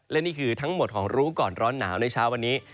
และนี่คือทั้งหมดของรู้ก่อนร้อนหนาวในเช้าวันนี้